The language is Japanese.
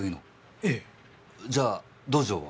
ええ。じゃあ道場は？